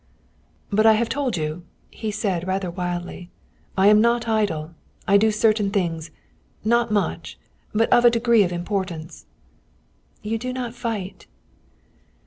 "But I have told you," he said rather wildly, "I am not idle. I do certain things not much, but of a degree of importance." "You do not fight."